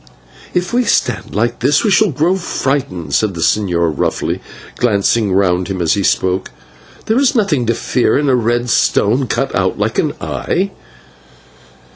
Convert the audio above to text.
"If we stand like this we shall grow frightened," said the señor roughly, glancing round him as he spoke, "there is nothing to fear in a red stone cut like an eye."